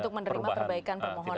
untuk menerima perbaikan permohonan